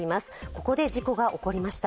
ここで事故が起こりました。